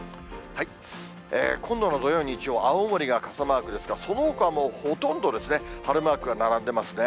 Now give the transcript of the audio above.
今度の土曜、日曜、青森が傘マークですが、そのほかはほとんど、晴れマークが並んでますね。